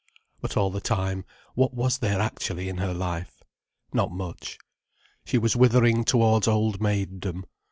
But all the time, what was there actually in her life? Not much. She was withering towards old maiddom.